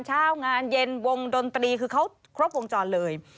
เช้างานเย็นวงดนตรีคือเขาครบวงจรเลย